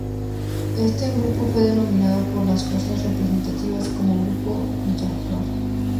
Este grupo fue denominado por las fuerzas represivas como Grupo Villaflor.